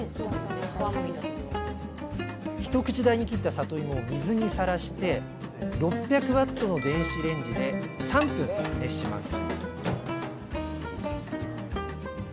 一口大に切ったさといもを水にさらして６００Ｗの電子レンジで３分熱します